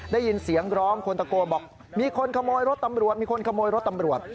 ได้ยินเสียงร้องคนตะโกบอกมีคนขโมยรถตำรวจ